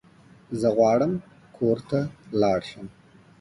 زه غواړم کور ته لاړ شم